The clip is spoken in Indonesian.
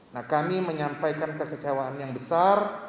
nah kami menyampaikan kekecewaan yang besar